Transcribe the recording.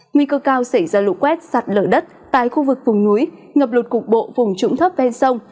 nguy cơ cao xảy ra lũ quét sạt lở đất tại khu vực vùng núi ngập lụt cục bộ vùng trũng thấp ven sông